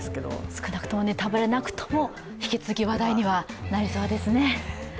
少なくともネタばれなくとも引き続き話題にはなりそうですね。